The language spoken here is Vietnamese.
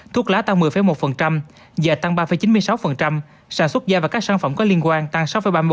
thuốc lá tăng một mươi một da tăng ba chín mươi sáu sản xuất da và các sản phẩm có liên quan tăng sáu ba mươi một